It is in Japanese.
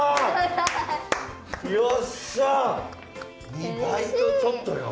２倍とちょっとよ。